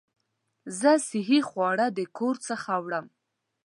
زه صحي خواړه د کور څخه وړم.